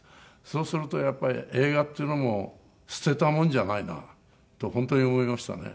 そうするとやっぱり映画っていうのも捨てたもんじゃないなと本当に思いましたね。